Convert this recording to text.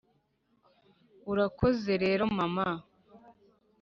urakoze rero, mama.